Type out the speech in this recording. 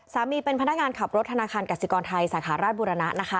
สามีเป็นพนักงานขับรถธนาคารกัศกรไทยสาขาราชบุรณะ